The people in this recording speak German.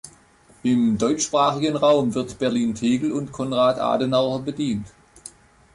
Im deutschsprachigen Raum wird Berlin-Tegel und Konrad-Adenauer bedient.